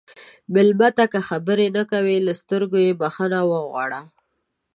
مېلمه ته که خبرې نه کوي، له سترګو یې بخښنه وغواړه.